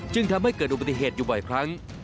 จึงทำให้เกิดอุบัติเหตุอยู่บ่อยครั้ง